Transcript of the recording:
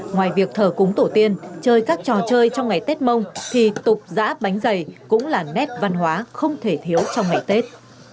ngoài việc thờ cúng tổ tiên chơi các trò chơi trong ngày tết mông thì tục giã bánh dày cũng là nét văn hóa không thể thiếu trong ngày tết